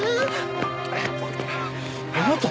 あなた。